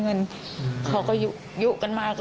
ไม่กินรักหลานมาก